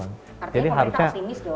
artinya pemerintah optimis dong